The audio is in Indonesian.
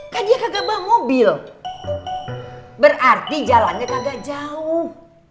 kan dia kagak bawa mobil berarti jalannya kagak jauh